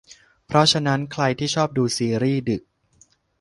เพราะฉะนั้นใครที่ชอบดูซีรีส์ดึก